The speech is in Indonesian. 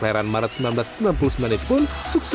dan tetap tertata dengan baik